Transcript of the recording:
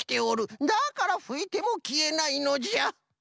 だからふいてもきえないのじゃ。